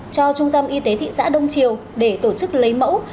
cho trung tâm y tế thị xã đông triều để tổ chức lấy mẫu